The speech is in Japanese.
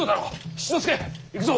七之助行くぞ。